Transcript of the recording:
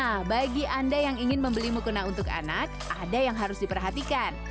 nah bagi anda yang ingin membeli mukena untuk anak ada yang harus diperhatikan